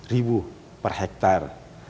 dua ratus dua puluh ribu per hektar